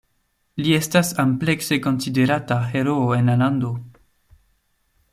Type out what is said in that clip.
Li estas amplekse konsiderata heroo en la lando.